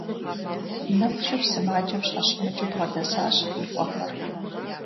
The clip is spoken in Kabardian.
Нэху щыху сымаджэм щхьэщымыкӀыу бгъэдэсащ и къуэхэр.